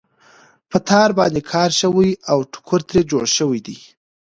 په تار باندې کار شوی او ټوکر ترې جوړ شوی دی.